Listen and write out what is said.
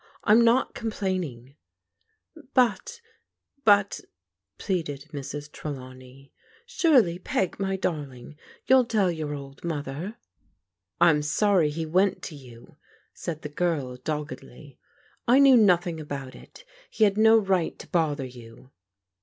" I'm not complaining." "But — ^but," pleaded Mrs. Trelawney, "surely. Peg, my darling, you'll tell your old mother." " I'm sorry he went to you," said the girl doggedly. " I knew nothing about it. He had no right to bother you."